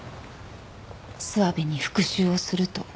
諏訪部に復讐をすると。